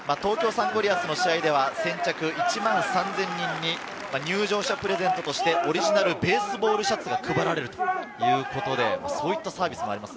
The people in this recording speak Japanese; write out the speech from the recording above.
東京サンゴリアスの試合では先着１万３０００人に入場者プレゼントとしてオリジナルベースボールシャツが配られる、そういったサービスもあります。